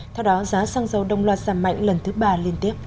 theo đó giá xăng dầu đông loạt giảm mạnh lần thứ ba liên tiếp